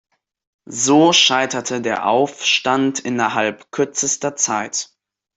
So scheiterte der Aufstand innerhalb kürzester Zeit.